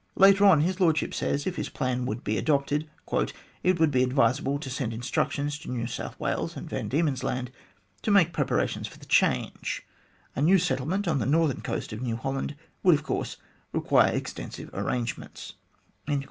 Later on, his Lordship says, if his plan would be adopted, " it would be advisable to send instructions to New South Wales and Van Diemen's Land to make preparations for the change. A new settlement on the northern coast of New Holland would, of course, require extensive arrangements."